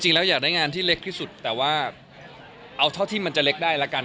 อยากได้งานที่เล็กที่สุดแต่ว่าเอาเท่าที่มันจะเล็กได้ละกัน